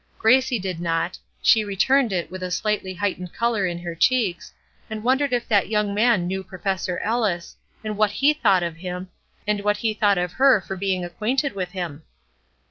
Gracie did not; she returned it, with a slightly heightened color in her cheeks, and wondered if that young man knew Professor Ellis, and what he thought of him, and what he thought of her for being acquainted with him.